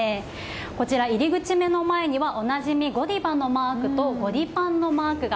こちら、入り口の目の前にはおなじみ、ゴディバのマークとゴディパンのマークが。